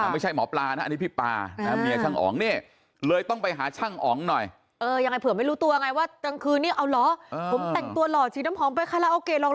ไม่ใช่หมอปลานะเพราะพี่ปา